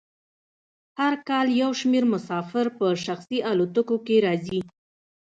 هر کال یو شمیر مسافر په شخصي الوتکو کې راځي